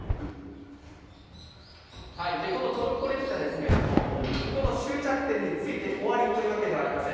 このトロッコ列車ですけれどもここの終着点に着いて終わりというわけではありません。